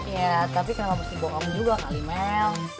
iya tapi kenapa mesti bohong kamu juga kalimel